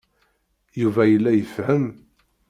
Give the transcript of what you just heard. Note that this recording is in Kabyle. Yuba yella ifehhem.